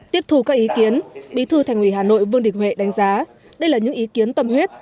tiếp thù các ý kiến bí thư thành ủy hà nội vương đình huệ đánh giá đây là những ý kiến tâm huyết